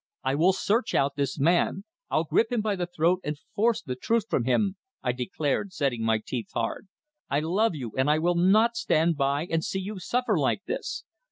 "I will search out this man. I'll grip him by the throat and force the truth from him," I declared, setting my teeth hard. "I love you, and I will not stand by and see you suffer like this!"